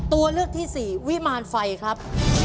ตัวเลือกที่สี่วิมารไฟครับ